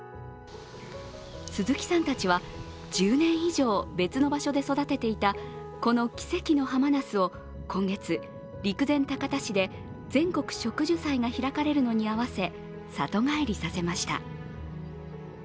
鈴木さんたちは、１０年以上別の場所で育てていたこの奇跡のハマナスを今月、陸前高田市で全国植樹祭が開かれるのに合わせ、里帰りさせました。